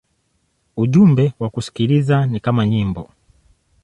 Ujumbe wa kusikiliza ni kama nyimbo.